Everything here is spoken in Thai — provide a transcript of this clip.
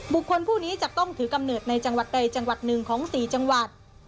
ผู้นี้จะต้องถือกำเนิดในจังหวัดใดจังหวัดหนึ่งของ๔จังหวัด